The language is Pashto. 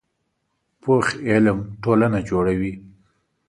پوخ علم ټولنه جوړوي